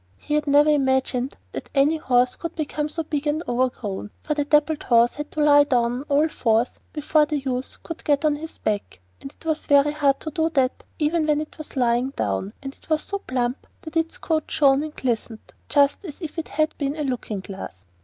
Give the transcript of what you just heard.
He had never imagined that any horse could become so big and overgrown, for the dappled horse had to lie down on all fours before the youth could get on his back, and it was very hard to do that even when it was lying down, and it was so plump that its coat shone and glistened just as if it had been a looking glass.